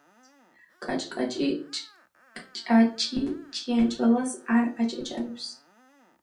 კაჭაჭში კჭკაჭი ჭიანჭველას არ აჭაჭანებს.